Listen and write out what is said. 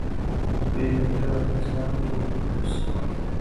Vivió entre el Oligoceno y el Mioceno.